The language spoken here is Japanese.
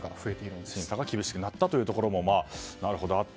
検査が厳しくなったというところもあって。